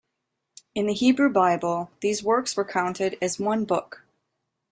In the Hebrew Bible, these works were counted as one book.